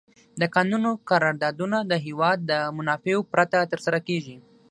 د کانونو قراردادونه د هېواد د منافعو پرته تر سره کیږي.